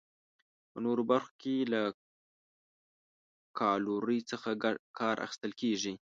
په نورو برخو کې له کالورۍ څخه کار اخیستل کیږي.